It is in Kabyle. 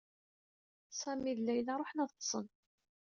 Sami d Layla ṛuḥen ad ṭṭsen.